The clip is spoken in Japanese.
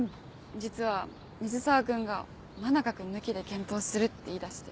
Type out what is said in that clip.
実は水沢君が真中君抜きで検討するって言いだして。